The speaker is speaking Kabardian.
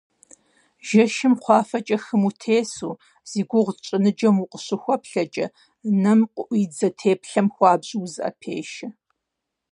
Жэщым кхъуафэкӀэ хым утесу, зи гугъу тщӀы ныджэм укъыщыхуэплъэкӀэ, нэм къыӀуидзэ теплъэм хуабжьу узэӀэпешэ.